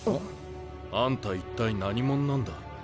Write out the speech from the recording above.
あんた一体何者なんだ？